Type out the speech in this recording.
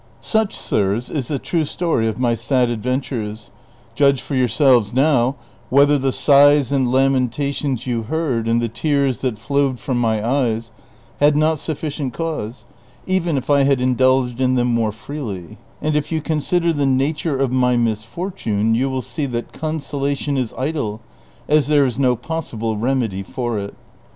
" Such, sirs, is the true story of my sad adventures ; judge for yourselves now w^liether the sighs and hanientations you heard, and the tears that flowed from my eyes, had not suffi cient cause even if I had indulged in them more freely ; and if you consider the nature of my misfortune you will see that consolation is idle, as there is no possible remedy for it.